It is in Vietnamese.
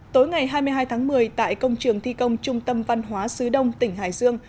tối ngày hai mươi hai tháng một mươi tại công trường thi công trung tâm văn hóa sứ đông tỉnh hải dương